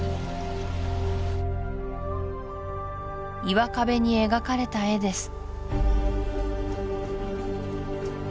岩壁に描かれた絵です